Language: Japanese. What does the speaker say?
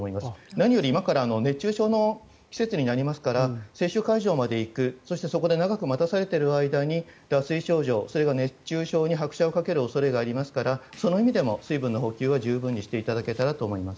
何より、今から熱中症の季節になりますから接種会場まで行くそして、そこで長く待たされている間に脱水症状、熱中症に拍車をかける恐れがありますからその意味でも水分の補給は十分にしていただけたらと思います。